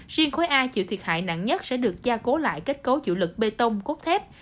riêng khối a chịu thiệt hại nặng nhất sẽ được gia cố lại kết cấu chủ lực bê tông cốt thép